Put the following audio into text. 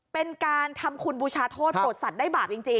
เป็นการทำคุณบูชาโทษโปรดสัตว์ได้บาปจริง